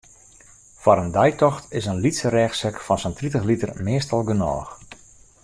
Foar in deitocht is in lytse rêchsek fan sa'n tritich liter meastal genôch.